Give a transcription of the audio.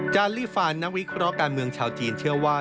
ลี่ฟานนักวิเคราะห์การเมืองชาวจีนเชื่อว่า